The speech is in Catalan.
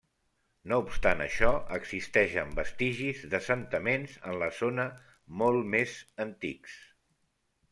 No obstant això, existeixen vestigis d'assentaments en la zona molt més antics.